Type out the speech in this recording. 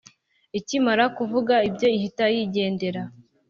Ikimara kuvuga ibyo, ihita yigendera.